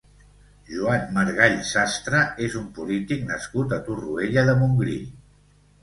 Joan Margall Sastre és un polític nascut a Torroella de Montgrí.